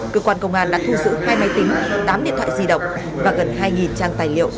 cơ quan công an đã thu giữ hai máy tính tám điện thoại di động và gần hai trang tài liệu